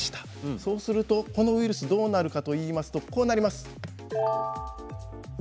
そうするとこのウイルスと、どうなるかといいますとこうなります。